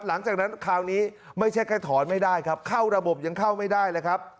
คราวนี้ไม่ใช่แค่ถอนไม่ได้ครับเข้าระบบยังเข้าไม่ได้เลยครับ